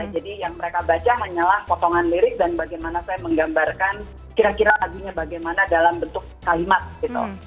jadi yang mereka baca hanyalah potongan lirik dan bagaimana saya menggambarkan kira kira lagunya bagaimana dalam bentuk kalimat gitu